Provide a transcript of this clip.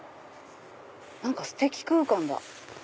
何かステキ空間だ。